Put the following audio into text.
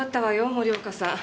森岡さん。